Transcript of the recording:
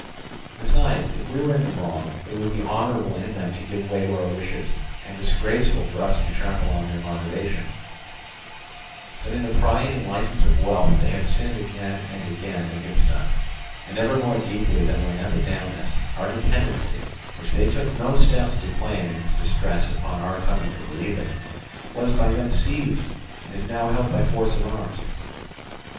Besides, if we were in the wrong, it would be honourable in them to give way to our wishes, and disgraceful for us to trample on their moderation; but in the pride and licence of wealth they have sinned again and again against us, and never more deeply than when Epidamnus, our dependency, which they took no steps to claim in its distress upon our coming to relieve it, was by them seized, and is now held by force of arms.